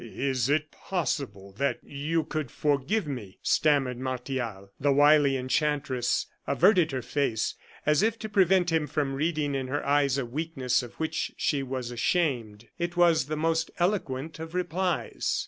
"Is it possible that you could forgive me?" stammered Martial. The wily enchantress averted her face as if to prevent him from reading in her eyes a weakness of which she was ashamed. It was the most eloquent of replies.